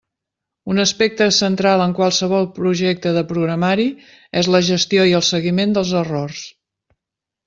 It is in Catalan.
Un aspecte central en qualsevol projecte de programari és la gestió i el seguiment dels errors.